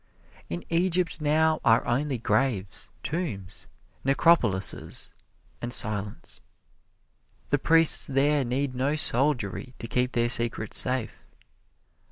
In Egypt now are only graves, tombs, necropolises and silence. The priests there need no soldiery to keep their secrets safe.